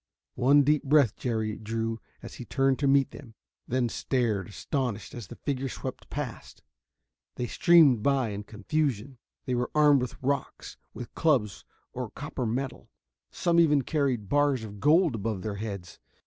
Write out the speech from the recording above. One deep breath Jerry drew as he turned to meet them. Then stared, astonished, as the figures swept past. They streamed by in confusion. They were armed with rocks, with clubs or copper metal some even carried bars of gold above their heads.